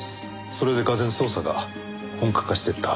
それでがぜん捜査が本格化していった。